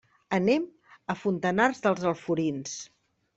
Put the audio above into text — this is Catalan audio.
Anem a Fontanars dels Alforins.